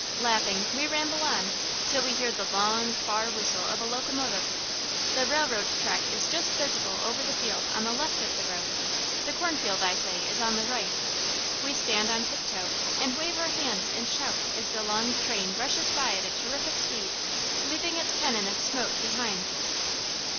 Laughing, we ramble on, till we hear the long, far whistle of a locomotive. The railroad track is just visible over the field on the left of the road; the cornfield, I say, is on the right. We stand on tiptoe and wave our hands and shout as the long train rushes by at a terrific speed, leaving its pennon of smoke behind.